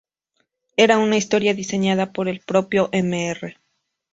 Era una historia diseñada por el propio Mr.